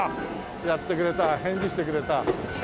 やってくれた返事してくれた。